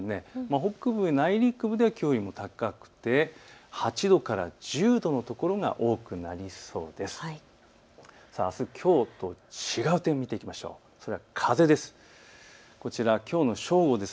北部、内陸部できょうよりも高くて８度から１０度の所が多くなりそうです。